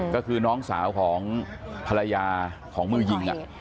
ก็คือน้องสาวของภรรยาของมือยิง